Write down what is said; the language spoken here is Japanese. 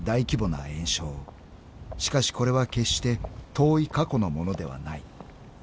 ［しかしこれは決して遠い過去のものではない］